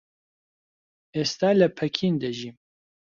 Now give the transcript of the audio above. ئێستا لە پەکین دەژیم.